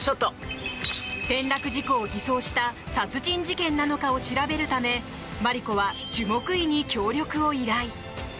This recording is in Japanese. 転落事故を偽装した殺人事件なのかを調べるためマリコは樹木医に協力を依頼。